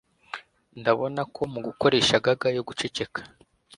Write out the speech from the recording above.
ndabona ko mugukoresha gag yo guceceka